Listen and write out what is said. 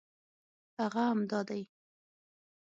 هغه همدا دی.